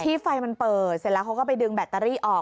ไฟมันเปิดเสร็จแล้วเขาก็ไปดึงแบตเตอรี่ออก